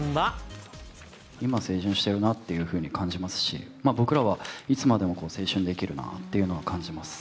今、青春してるなっていうふうに感じますし、僕らはいつまでも青春できるなっていうのは感じます。